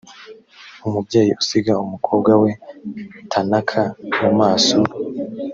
umubyeyi usiga umukobwa we thanaka mu maso